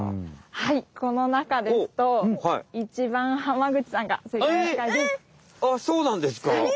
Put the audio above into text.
はいこの中ですとあっそうなんですか？